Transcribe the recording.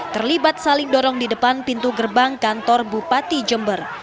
terlibat saling dorong di depan pintu gerbang kantor bupati jember